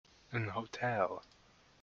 An hotel.